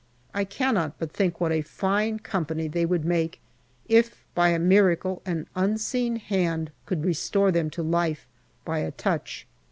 I cannot but think what a fine company they would make if by a miracle an Unseen Hand could restore them to life by a touch.